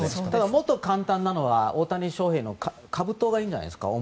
もっと簡単なのは大谷翔平のかぶとがいいんじゃないですか。